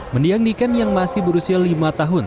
mendiang niken yang masih berusia lima tahun